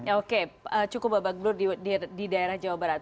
oke cukup babak belur di daerah jawa barat